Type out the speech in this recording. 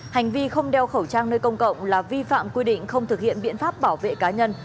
hành vi không đeo khẩu trang nơi công cộng là vi phạm quy định không thực hiện biện pháp bảo vệ cá nhân